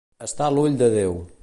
Estar a l'ull de Déu.